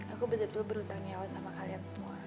aku betul betul berhutang nyawa sama kalian semua